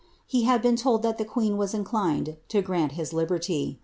He had been told that the queen was inclined to grant him his liberty.